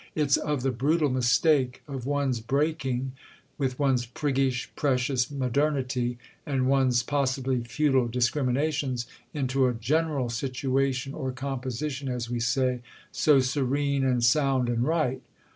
It's of the brutal mistake of one's breaking—with one's priggish, precious modernity and one's possibly futile discriminations—into a general situation or composition, as we say, so serene and sound and right.